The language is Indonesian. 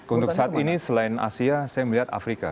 untuk saat ini selain asia saya melihat afrika